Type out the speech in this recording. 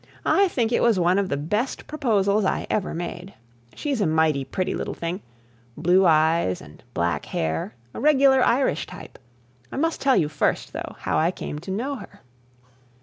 I think it was one of the best proposals I ever made. She's a mighty pretty little thing, blue eyes and black hair, a regular Irish type. I must tell you first, though, how I came to know her.